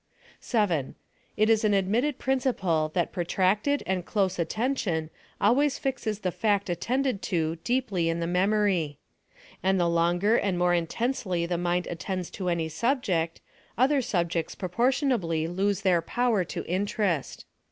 7. It is an admitted principle that protracted and close attention always fixes the fact attended to deeply in the memory ; and the longer and more intensely the mind attends to any subject, other subjects proportionably lose their power to interest.